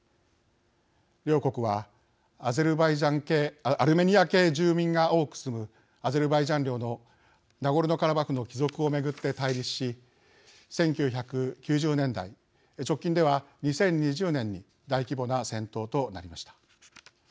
両国は、アルメニア系住民が多く住むアゼルバイジャン領のナゴルノカラバフの帰属を巡って対立し１９９０年代、直近では２０２０年に大規模な戦闘となりました。